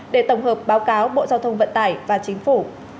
để tổng hợp báo cáo bộ giao thông vận tải và chính phủ